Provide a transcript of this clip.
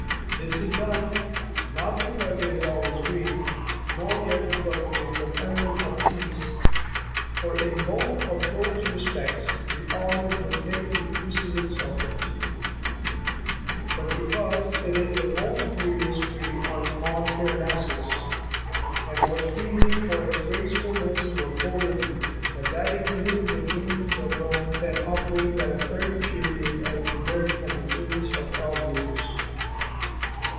This is done, not because it is always green, nor yet because it is an emblem of peace — for in both of those respects the olive would take the precedence of it— but because it is _ the most beauteous tree on Mount Parnassus, and was pleasing for its gracefulness to Apollo even ; a deity to whom the kings of Rome sent offerings at an early period, as we learn from the case of L. Brutus.